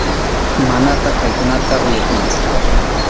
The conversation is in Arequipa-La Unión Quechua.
Manataq paykunata uyakunchu.